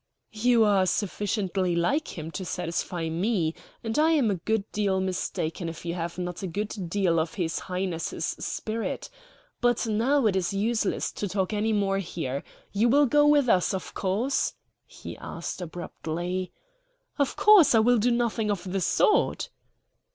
"You are sufficiently like him to satisfy me, and I'm a good deal mistaken if you have not a good deal of his Highness's spirit. But now it is useless to talk any more here. You will go with us, of course? he asked abruptly. "Of course I will do nothing of the sort."